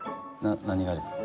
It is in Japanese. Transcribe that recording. な何がですか？